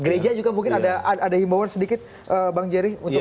gereja juga mungkin ada himbawan sedikit bang jerry